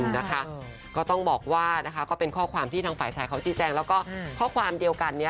นะคะก็ต้องบอกว่านะคะก็เป็นข้อความที่ทางฝ่ายชายเขาชี้แจงแล้วก็ข้อความเดียวกันนี้